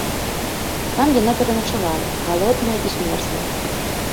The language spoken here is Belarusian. Там яна пераначавала, галодная і змерзлая.